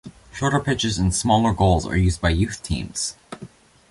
Shorter pitches and smaller goals are used by youth teams.